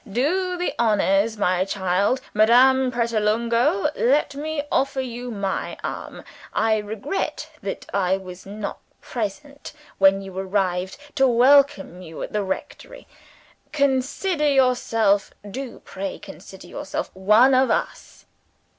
Do the honors, my child. Madame Pratolungo, let me offer you my arm. I regret that I was not present, when you arrived, to welcome you at the rectory. Consider yourself do pray consider yourself one of us."